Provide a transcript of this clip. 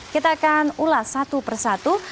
kita akan ulas satu per satu